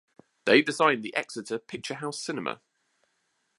They designed the Exeter Picturehouse cinema.